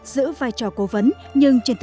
giữ vai trò cố vấn